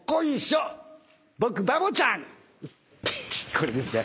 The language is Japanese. これですね。